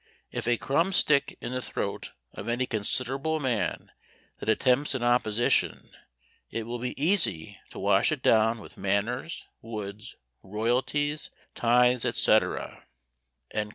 "If a crumb stick in the throat of any considerable man that attempts an opposition, it will be easy to wash it down with manors, woods, royalties, tythes, &c."